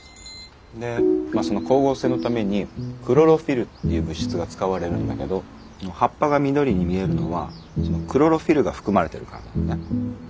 でその光合成のためにクロロフィルっていう物質が使われるんだけど葉っぱが緑に見えるのはそのクロロフィルが含まれてるからなのね。